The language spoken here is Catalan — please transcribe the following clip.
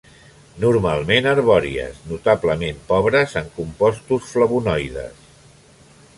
Normalment arbòries, notablement pobres en compostos flavonoides.